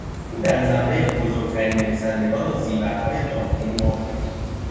او در زمرهی بزرگترین نویسندگان و زیورهای جامعهی ما بود.